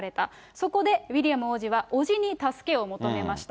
そこでウィリアム王子は叔父に助けを求めました。